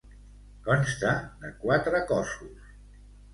Consta de quatre cossos.